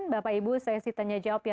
bapak ibu saya sih tanya jawabannya